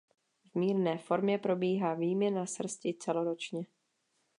V mírné formě probíhá výměna srsti celoročně.